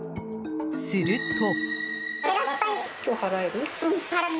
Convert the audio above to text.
すると。